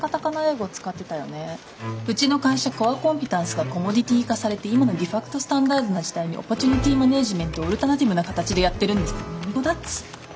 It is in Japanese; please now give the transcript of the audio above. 「うちの会社コアコンピタンスがコモディティ化されて今のデファクトスタンダードな時代にオポチュニティマネジメントをオルタナティブな形でやってるんです」ってもう何語だっつの！